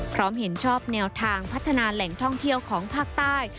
พร้อมเห็นชอบแนวทางพัฒนาแหล่งท่องเที่ยวของภาคใต้